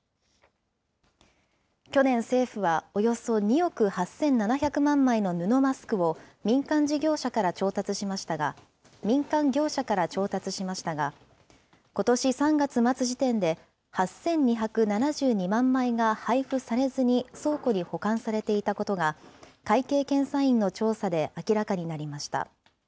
去年、政府はおよそ２億８７００万枚の布マスクを民間事業者から調達しましたが、民間業者から調達しましたが、ことし３月末時点で８２７２万枚が配布されずに倉庫に保管されていたことが、会計検査院の調査で明らかになりました。